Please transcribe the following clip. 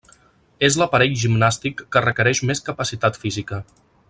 És l'aparell gimnàstic que requereix més capacitat física.